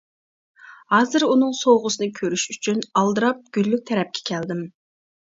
ھازىر ئۇنىڭ سوۋغىسىنى كۆرۈش ئۈچۈن ئالدىراپ گۈللۈك تەرەپكە كەلدىم.